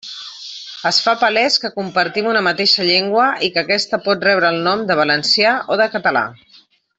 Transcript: Es fa palés que compartim una mateixa llengua i que aquesta pot rebre el nom de valencià o de català.